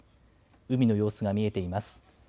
海の様子が見えています。